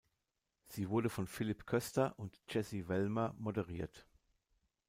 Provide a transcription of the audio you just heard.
Sie wurde von Philipp Köster und Jessy Wellmer moderiert.